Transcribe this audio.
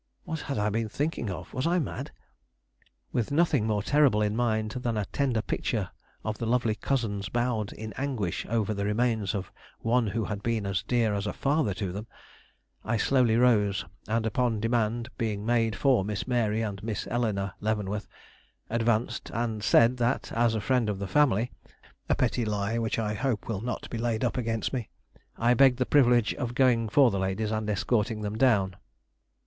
What had I been thinking of; was I mad? With nothing more terrible in mind than a tender picture of the lovely cousins bowed in anguish over the remains of one who had been as dear as a father to them, I slowly rose, and upon demand being made for Miss Mary and Miss Eleanore Leavenworth, advanced and said that, as a friend of the family a petty lie, which I hope will not be laid up against me I begged the privilege of going for the ladies and escorting them down.